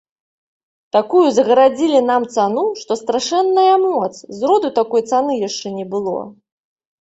Такую загарадзілі нам цану, што страшэнная моц, зроду такой цаны яшчэ не было.